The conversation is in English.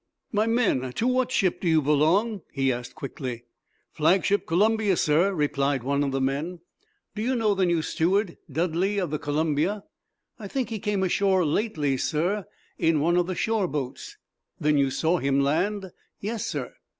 "My men, to what ship do you belong?" he asked, quickly. "Flagship 'Columbia,' sir," replied one of the men. "Do you know the new steward, Dudley, of the 'Columbia'?" "I think he came ashore lately, sir, in one of the shore boats." "Then you saw him land?" "Yes, sir."